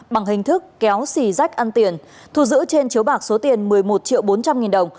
bằng hình thức kéo xì rách ăn tiền thu giữ trên chiếu bạc số tiền một mươi một triệu bốn trăm linh nghìn đồng